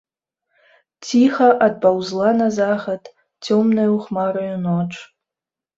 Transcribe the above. Ціха адпаўзла на захад цёмнаю хмараю ноч.